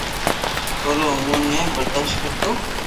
پر او اووہ ني برداݾت ڪرتو